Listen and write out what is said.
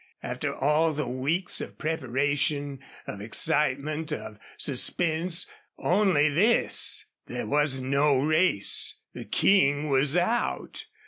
After all the weeks of preparation, of excitement, of suspense only this! There was no race. The King was out!